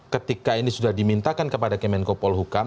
ketika ini sudah dimintakan kepada kemenko polhukam